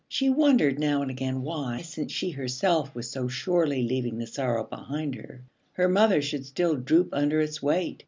She wondered now and again why, since she herself was so surely leaving the sorrow behind her, her mother should still droop under its weight.